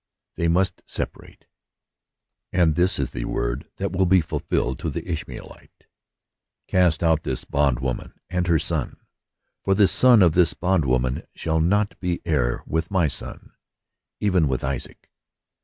They must separate, and this is the word that will be fulfilled to the Ishmaelite :" Cast out this bondwoman and her son : for the son of this bond woman shall not be heir with my son, even with Isaac."